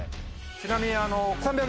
ちなみに。